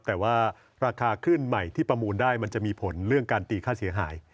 แต่ว่าราคาขึ้นใหม่ที่ประมูลได้มันจะมีผลเรื่องการตีค่าเสียหาย